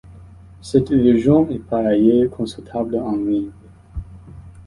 Cette version est par ailleurs consultable en ligne.